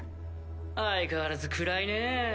相変わらず暗いねぇ。